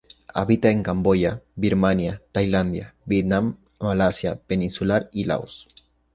Habita en Camboya, Birmania, Tailandia, Vietnam, Malasia Peninsular y Laos.